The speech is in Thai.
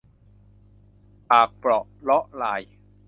ปากเปราะเราะราย